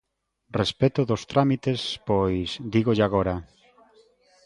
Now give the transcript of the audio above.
Respecto dos trámites, pois, dígolle agora.